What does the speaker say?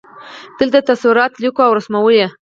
دلته تصورات لیکو او رسموو.